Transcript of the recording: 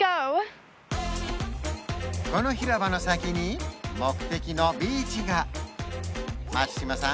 この広場の先に目的のビーチが松島さん